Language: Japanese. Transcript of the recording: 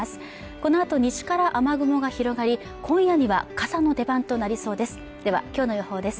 このあと西から雨雲が広がり今夜には傘の出番となりそうです